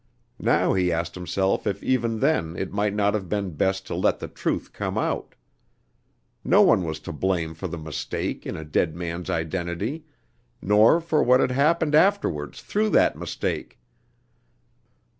Now he asked himself if even then it might not have been best to let the truth come out. No one was to blame for the mistake in a dead man's identity, nor for what had happened afterwards through that mistake.